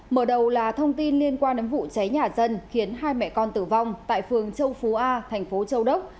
mở đầu là thông tin liên quan đến vụ cháy nhà dân khiến hai mẹ con tử vong tại phường châu phú a thành phố châu đốc